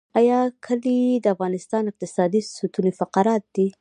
آیا کلي د افغانستان اقتصادي ستون فقرات دي؟